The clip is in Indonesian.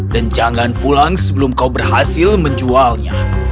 dan jangan pulang sebelum kau berhasil menjualnya